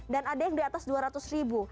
dan ada yang di atas rp dua ratus